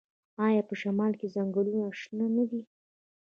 آیا په شمال کې ځنګلونه شنه نه دي؟